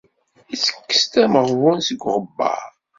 Ittekkes-d ameɣbun seg uɣebbar.